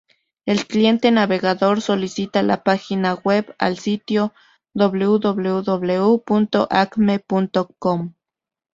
El cliente navegador solicita la página web al sitio www.acme.com.